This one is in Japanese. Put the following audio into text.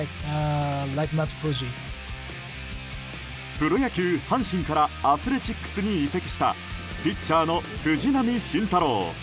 プロ野球、阪神からアスレチックスに移籍したピッチャーの藤波晋太郎。